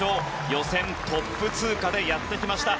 予選トップ通過でやってきました。